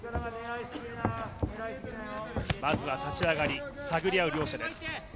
まずは立ち上がり、探り合う両者です。